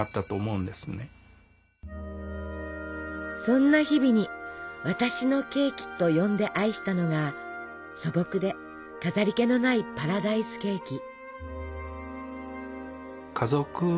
そんな日々に「私のケーキ」と呼んで愛したのが素朴で飾り気のないパラダイスケーキ。